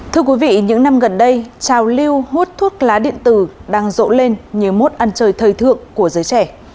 thưa quý vị những năm gần đây trào lưu hút thuốc lá điện tử đang rộ lên như mốt ăn chơi thời thượng của giới trẻ